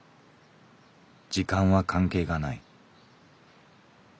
時間は関係がない。